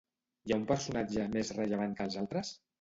Hi ha un personatge més rellevant que els altres?